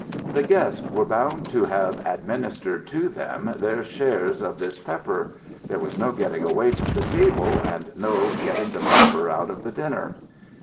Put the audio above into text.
The guests were bound to have administered to them their shares of this pepper; there was no getting away from the table and no getting the pepper out of the dinner.